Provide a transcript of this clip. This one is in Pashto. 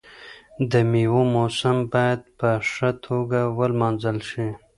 د میوو موسم باید په ښه توګه ولمانځل شي.